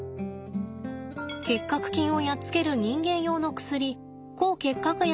結核菌をやっつける人間用の薬抗結核薬を使いました。